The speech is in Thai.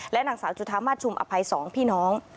และหนังสาวจุธามาชุมอภัยสองพี่น้อง